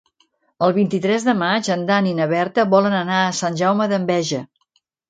El vint-i-tres de maig en Dan i na Berta volen anar a Sant Jaume d'Enveja.